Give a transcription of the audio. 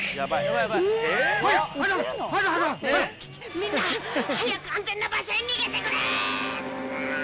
「みんな早く安全な場所へ逃げてくれ！」